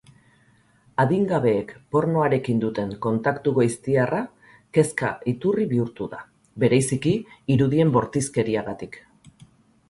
Adingabeek pornoarekin duten kontaktu goiztiarra kezka iturri bihurtu da, bereziki, irudien bortizkeriagatik.